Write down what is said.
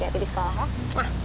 senta berusak usakan dulu ya